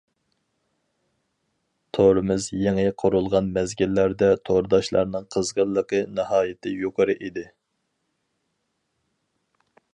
تورىمىز يېڭى قۇرۇلغان مەزگىللەردە تورداشلارنىڭ قىزغىنلىقى ناھايىتى يۇقىرى ئىدى.